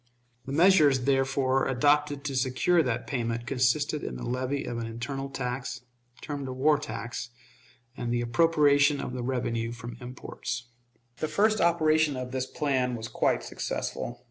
The measures, therefore, adopted to secure that payment consisted in the levy of an internal tax, termed a war tax, and the appropriation of the revenue from imports. The first operation of this plan was quite successful.